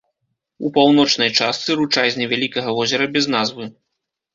У паўночнай частцы ручай з невялікага возера без назвы.